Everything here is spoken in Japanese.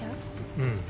うん。